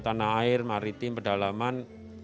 tanah air maritim pedalaman